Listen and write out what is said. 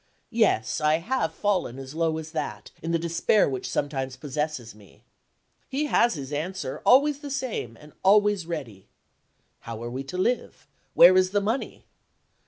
yes, I have fallen as low as that, in the despair which sometimes possesses me. He has his answer, always the same, and always ready: "How are we to live? where is the money?"